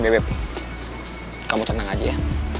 bebep kamu tenang aja ya